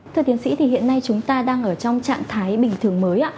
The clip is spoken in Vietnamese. thưa tiến sĩ hiện nay chúng ta đang trong trạng thái bình thường mới